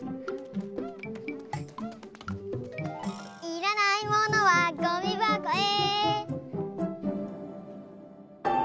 いらないものはゴミばこへ！